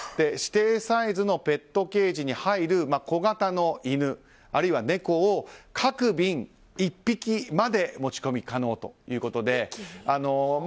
指定サイズのペットケージに入る小型の犬、あるいは猫を各便１匹まで持ち込み可能ということで。